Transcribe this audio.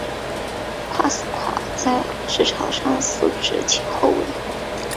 帕斯夸尔在场上司职左后卫。